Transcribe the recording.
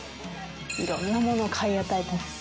いろんなものを買い与えてます。